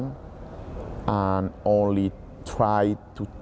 สงสัยทางโทรศัฎย์